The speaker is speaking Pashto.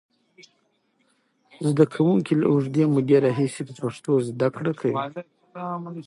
زده کوونکي له اوږدې مودې راهیسې په پښتو زده کړه کوي.